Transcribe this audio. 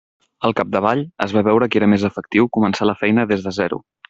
Al capdavall, es va veure que era més efectiu començar la feina des de zero.